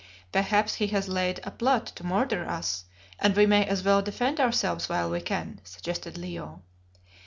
"Perhaps he has laid a plot to murder us, and we may as well defend ourselves while we can," suggested Leo.